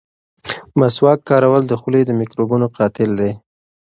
مسواک کارول د خولې د میکروبونو قاتل دی.